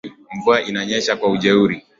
Mvua inanyesha kwa ujeuri.